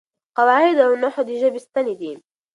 قواعد او نحو د ژبې ستنې دي.